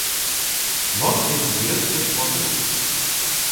Wat is de grutste planeet?